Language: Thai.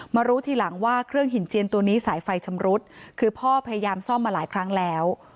รู้ทีหลังว่าเครื่องหินเจียนตัวนี้สายไฟชำรุดคือพ่อพยายามซ่อมมาหลายครั้งแล้ว